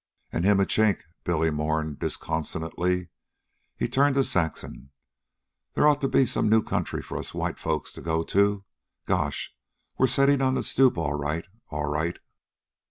"An' him a Chink," Billy mourned disconsolately. He turned to Saxon. "They ought to be some new country for us white folks to go to. Gosh! we're settin' on the stoop all right, all right."